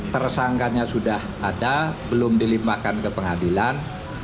tersangkanya sudah ada belum dilimpahkan ke pengadilan